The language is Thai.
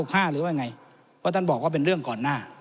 เพราะไงเพราะท่านบอกว่าเป็นเรื่องก่อนหน้า